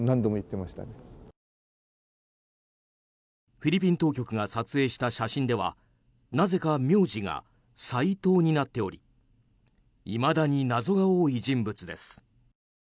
フィリピン当局が撮影した写真ではなぜか名字が「ＳＡＩＴＯ」になっておりいまだに謎が多い人物です。